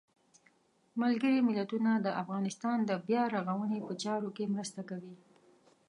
ملګري ملتونه د افغانستان د بیا رغاونې په چارو کې مرسته کوي.